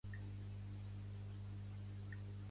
Als costats hauria tingut dues portes per accedir al reraltar.